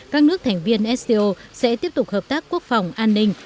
các nước thành viên sco sẽ tiếp tục hợp tác quốc phòng an ninh